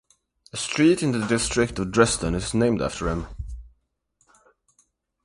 A street in the district of Dresden is named after him.